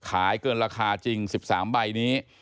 ขายเกินราคาจริง๑๓ใบนี้